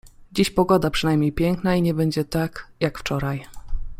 Dziś pogoda przynajmniej piękna i nie będzie tak, jak wczoraj.